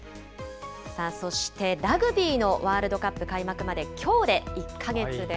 さあそして、ラグビーのワールドカップ開幕まで、きょうで１か月です。